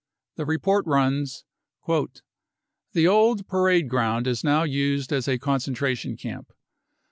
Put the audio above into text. The report runs : ct The old parade ground is now used as a concentration camp.